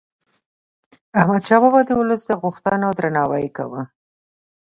احمدشاه بابا د ولس د غوښتنو درناوی کاوه.